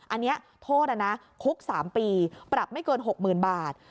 อันนี้โทษนะคุก๓ปีปรับไม่เกิน๖๐๐๐บาท